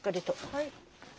はい。